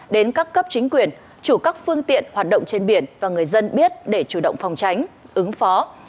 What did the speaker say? đến các cấp chính quyền chủ các phương tiện hoạt động trên biển và người dân biết để chủ động phòng tránh ứng phó